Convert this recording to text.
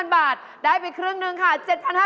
ได้ให้ไปครึ่งหนึ่งค่ะ๗๕๐๐บาท